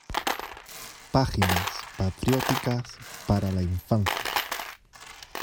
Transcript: Páginas patrióticas para la infancia".